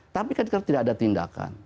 tapi kan sekarang tidak ada tindakan